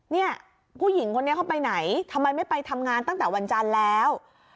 เนี่ยผู้หญิงคนนี้เขาไปไหนทำไมไม่ไปทำงานตั้งแต่วันจันทร์แล้ว